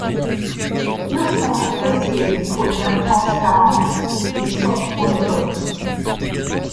Ils sont appréciés pour leur transparence, mais sont onéreux.